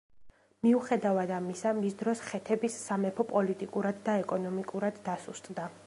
მიუხედავად ამისა მის დროს ხეთების სამეფო პოლიტიკურად და ეკონომიკურად დასუსტდა.